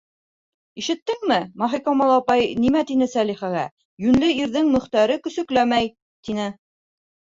-Ишеттеңме, Маһикамал апай, нимә тине Сәлихә: «Йүнле ирҙең Мөхтәре көсөкләмәй», тине.